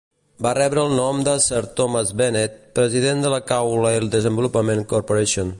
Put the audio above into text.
Va rebre el nom de sir Thomas Bennet, president de la Crawley Development Corporation.